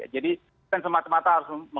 jadi kita semata mata harus